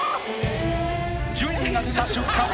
順位が出た瞬間